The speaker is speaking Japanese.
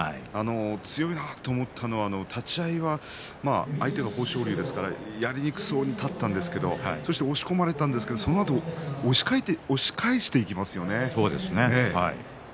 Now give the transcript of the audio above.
強いなと思ったのは立ち合いが相手が豊昇龍ですからやりにくそうだったんですけど押し込まれたんですがそのあと押し返していきましたよね。